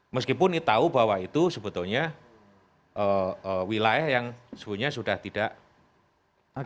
meskipun tahu bahwa itu sebetulnya wilayah yang sebenarnya sudah tidak ada